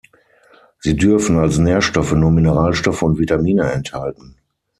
Sie dürfen als Nährstoffe nur Mineralstoffe und Vitamine enthalten.